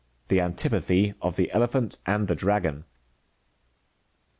* THE AJN'TIPATHT OF THE ELEPHANT AIO) THE I>EAGO^".